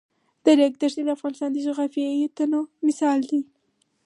د ریګ دښتې د افغانستان د جغرافیوي تنوع مثال دی.